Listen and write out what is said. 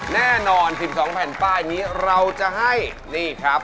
แน่นอน๑๒แผ่นป้ายนี้เราจะให้นี่ครับ